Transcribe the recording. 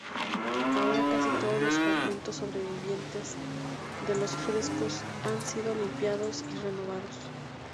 Ahora casi todos los fragmentos sobrevivientes de los frescos han sido limpiados y renovados.